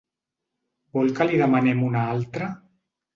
Vol que li demanem una altra?